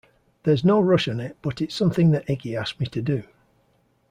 There's no rush on it, but it's something that Iggy asked me to do.